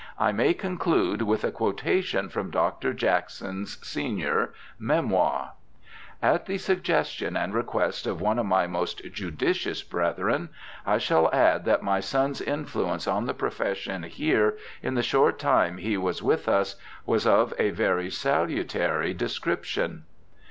I may conclude with a quotation from Dr. Jackson's, sen., memoir : 'At the suggestion and request of one of my most 204 BIOGRAPHICAL ESSAYS judicious brethren I shall add that my son's influence on the profession here, in the short time he was with us, was of a very salutary description.